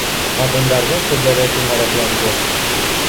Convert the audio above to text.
Ҡатындарҙың күҙҙәре түңәрәкләнде: